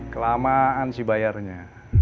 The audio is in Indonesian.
kelamaan si bayarnya